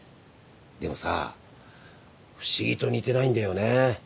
でもさ不思議と似てないんだよねうん。